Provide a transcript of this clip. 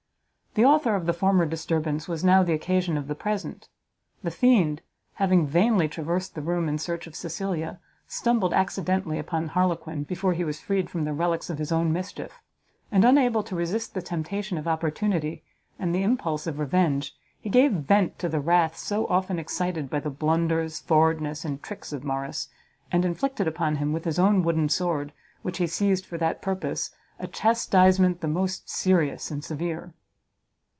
The author of the former disturbance was now the occasion of the present: the fiend, having vainly traversed the room in search of Cecilia, stumbled accidentally upon Harlequin, before he was freed from the relicks of his own mischief; and unable to resist the temptation of opportunity and the impulse of revenge, he gave vent to the wrath so often excited by the blunders, forwardness, and tricks of Morrice, and inflicted upon him, with his own wooden sword, which he seized for that purpose, a chastisement the most serious and severe.